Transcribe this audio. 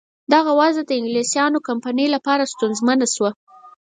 دغه وضع د انګلیسیانو کمپنۍ لپاره سونسزمه شوه.